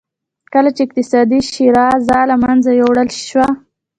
کله چې اقتصادي شیرازه له منځه یووړل شوه.